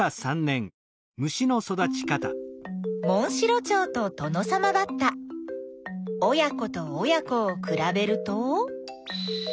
モンシロチョウとトノサマバッタ親子と親子をくらべると。